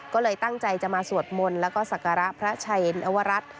ก็เลยตั้งใจจะมาสวดมนต์แล้วก็ศักระพระชัยนวรัฐ